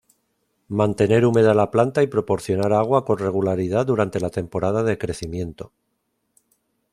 Mantener húmeda la planta y proporcionar agua con regularidad durante la temporada de crecimiento.